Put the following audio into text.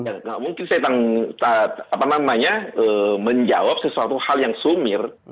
ya nggak mungkin saya menjawab sesuatu hal yang sumir